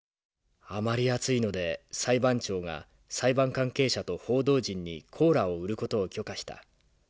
あまり暑いので裁判長が裁判関係者と報道陣にコーラを売る事を許可した。